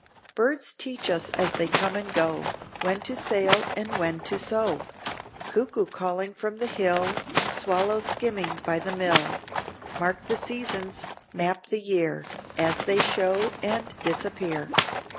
"Birds teach us as they come and go When to sail and when to sow. Cuckoo calling from the hill, Swallow skimming by the mill. Mark the seasons, map the year, As they show and disappear."